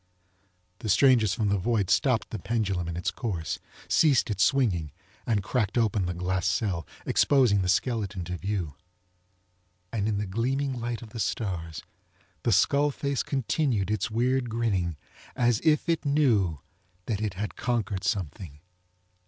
The strangers from the void stopped the pendulum in its course, ceased its swinging and cracked open the glass cell, exposing the skeleton to view. And in the gleaming light of the stars the skull face continued its weird grinning as if it knew that it had conquered something.